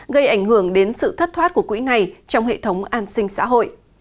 gây ảnh hưởng đến sự thất thoát của quỹ này trong hệ thống an sinh xã hội